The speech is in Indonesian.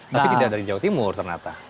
tapi tidak dari jawa timur ternyata